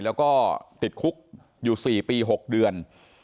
แล้วก็ติดคุกอยู่๔ปี๖เดือน